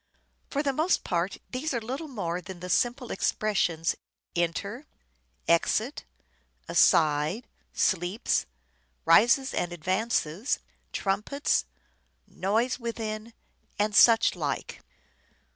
For the most part these are little more than the simple expressions " enter," " exit," " aside," " sleeps," " rises and advances," "trumpets," "noise within," and such like.